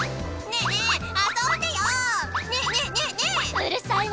ねえねえねえねえ！